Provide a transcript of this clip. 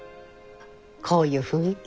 こういう雰囲気。